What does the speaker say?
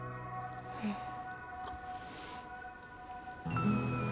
うん。